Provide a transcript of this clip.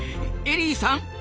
エリーさん。